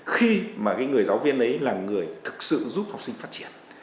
khi mà cái người giáo viên ấy là người thực sự giúp học sinh phát triển